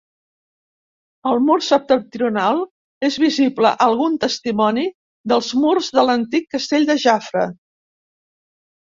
Al mur septentrional és visible algun testimoni dels murs de l'antic castell de Jafre.